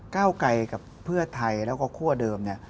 เก้าไกลกับเพื่อไทยแล้วก็คั่วเดิมเนี่ย